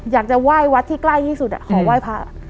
อยากจะไหว้วัดที่ใกล้ที่สุดขอไหว้พระ